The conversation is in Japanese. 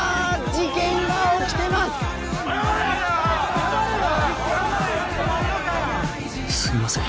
事件が起きてます・謝れ・謝れよすいません